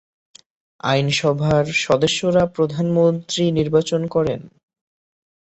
আইনসভার সদস্যরা প্রধানমন্ত্রী নির্বাচন করেন।